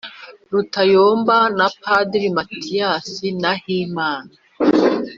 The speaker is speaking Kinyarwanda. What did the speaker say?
Rutayomba na Padiri Thomas Nahimana.